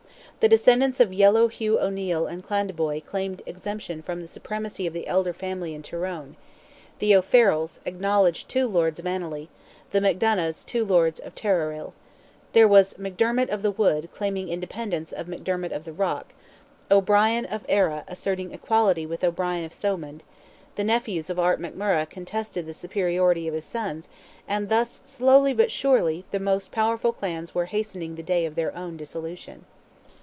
The descendants of yellow Hugh O'Neil in Clandeboy claimed exemption from the supremacy of the elder family in Tyrone; the O'Farells, acknowledged two lords of Annally; the McDonoghs, two lords of Tirerril; there was McDermott of the Wood claiming independence of McDermott of the Rock; O'Brien of Ara asserted equality with O'Brien of Thomond; the nephews of Art McMurrogh contested the superiority of his sons; and thus slowly but surely the most powerful clans were hastening the day of their own dissolution.